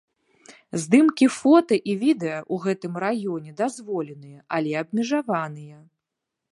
Здымкі фота і відэа ў гэтым раёне дазволеныя, але абмежаваныя.